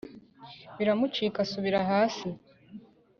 Biramucika asubira hasi